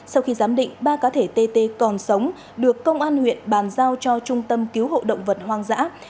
sau khi giám định ba cá thể tt còn sống được công an huyện bàn giao cho trung tâm cứu hộ động vật hoang dã